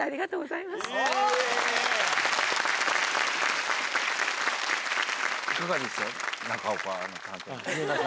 いかがでしたか？